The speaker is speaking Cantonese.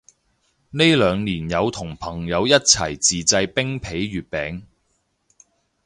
呢兩年有同朋友一齊自製冰皮月餅